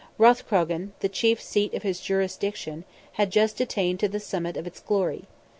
Rathcrogan, the chief seat of his jurisdiction, had just attained to the summit of its glory.